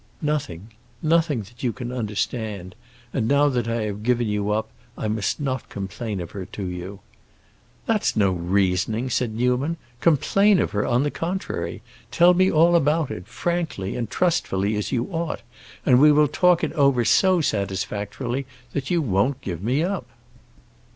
"Nothing. Nothing that you can understand. And now that I have given you up, I must not complain of her to you." "That's no reasoning!" cried Newman. "Complain of her, on the contrary. Tell me all about it, frankly and trustfully, as you ought, and we will talk it over so satisfactorily that you won't give me up."